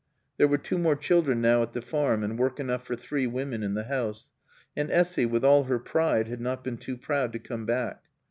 There were two more children now at the Farm and work enough for three women in the house. And Essy, with all her pride, had not been too proud to come back.